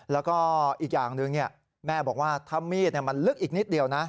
แล้วก็อีกอย่างหนึ่งแม่บอกว่าถ้ามีดมันลึกอีกนิดเดียวนะ